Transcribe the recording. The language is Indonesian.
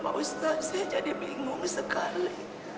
pak ustadz saya jadi bingung sekali